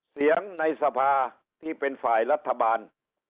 เสียงในสภาที่เป็นฝ่ายรัฐบาล